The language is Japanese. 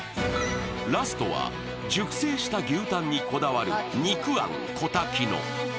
ラストは熟成した牛タンにこだわる肉庵小滝野。